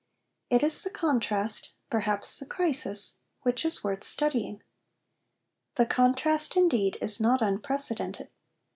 It is the contrast, perhaps the crisis, which is worth studying. The contrast, indeed, is not unprecedented.